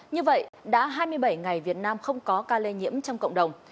như vậy đã hai mươi bảy ngày việt nam không có ca lây nhiễm trong cộng đồng